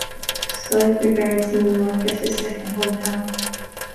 Stipe regards New York as his second hometown.